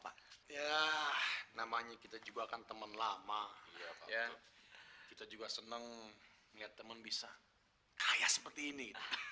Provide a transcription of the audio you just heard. pak namanya kita juga akan temen lama ya kita juga seneng lihat temen bisa kayak seperti ini